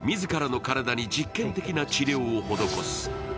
そんな彼が自らの体に実験的な治療を施す。